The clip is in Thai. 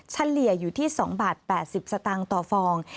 เฉลี่ยอยู่ที่๒บาท๘๐สตางค์ต่อฟอง